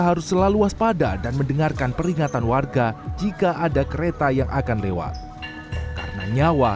harus selalu waspada dan mendengarkan peringatan warga jika ada kereta yang akan lewat karena nyawa